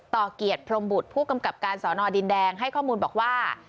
ต่อเกียรติพรมบุตรผู้กำกับการสอนอดินแดงให้ข้อมูลบอกว่า